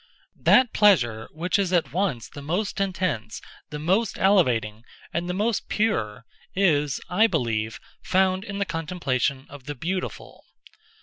That pleasure which is at once the most intense, the most elevating, and the most pure, is, I believe, found in the contemplation of the beautiful.